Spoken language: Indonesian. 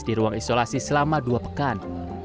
di ruang isolasi selama dua pekan